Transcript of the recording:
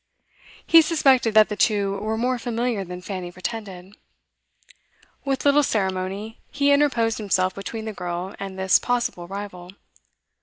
He suspected that the two were more familiar than Fanny pretended. With little ceremony, he interposed himself between the girl and this possible rival.